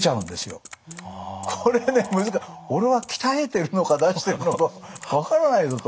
これね俺は鍛えてるのか出してるのか分からないぞと。